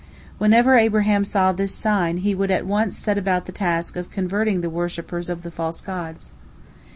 Whenever Abraham saw this sign, he would at once set about the task of converting the worshippers of the false gods.